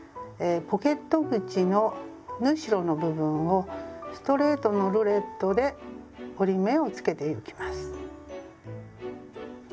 ポケット口の縫い代の部分をストレートのルレットで折り目をつけてゆきます。